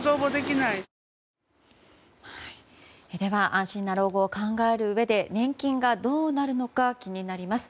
安心な老後を考えるうえで年金がどうなるのか気になります。